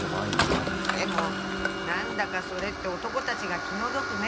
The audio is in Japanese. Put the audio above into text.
でもなんだかそれって男たちが気の毒ね。